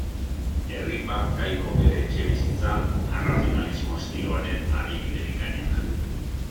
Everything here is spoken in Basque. Erripa kaiko bere etxebizitza arrazionalismo estiloaren adibide bikaina da.